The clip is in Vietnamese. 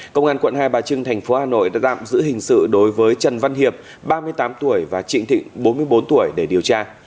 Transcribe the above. công an quận hai bà trưng thành phố hà nội đã đạm giữ hình sự đối với trần văn hiệp ba mươi tám tuổi và trịnh thịnh bốn mươi bốn tuổi để điều tra